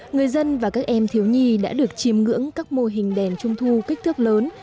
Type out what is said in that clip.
người dân và các em thiếu nhi đã được chìm ngưỡng các mô hình đèn trung thu kích thước lớn